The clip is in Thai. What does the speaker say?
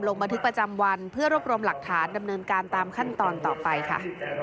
ลงบันทึกประจำวันเพื่อรวบรวมหลักฐานดำเนินการตามขั้นตอนต่อไปค่ะ